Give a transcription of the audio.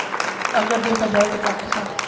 اگر دیکھا جائے تو پاکستان